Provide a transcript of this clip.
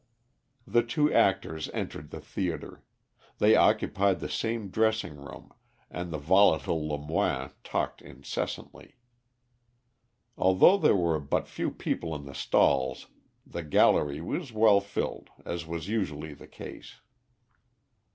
The two actors entered the theatre; they occupied the same dressing room, and the volatile Lemoine talked incessantly. Although there were but few people in the stalls the gallery was well filled, as was usually the case.